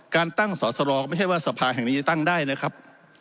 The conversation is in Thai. การตั้งสอสรก็ไม่ใช่ว่าสภาแห่งนี้จะตั้งได้นะครับ